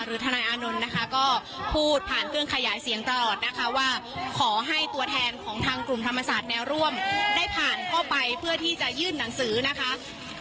ทนายอานนท์นะคะก็พูดผ่านเครื่องขยายเสียงตลอดนะคะว่าขอให้ตัวแทนของทางกลุ่มธรรมศาสตร์แนวร่วมได้ผ่านเข้าไปเพื่อที่จะยื่นหนังสือนะคะ